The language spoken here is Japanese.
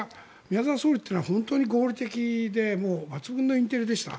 宮沢総理というのは本当に合理的で抜群のインテリでした。